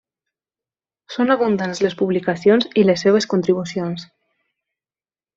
Són abundants les publicacions i les seves contribucions.